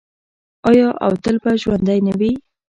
آیا او تل به ژوندی نه وي؟